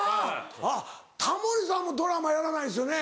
あっタモリさんもドラマやらないですよね。